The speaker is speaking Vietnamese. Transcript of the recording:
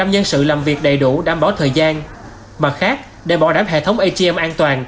một trăm linh nhân sự làm việc đầy đủ đảm bảo thời gian mặt khác để bảo đảm hệ thống atm an toàn